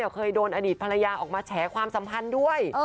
เคยโดนอดีตภรรยาออกมาแฉความสัมพันธ์ด้วย